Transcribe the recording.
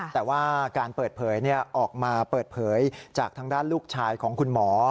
แต่ว่าการเปิดเผยออกมาเปิดเผยจากทางด้านลูกชายของคุณหมอ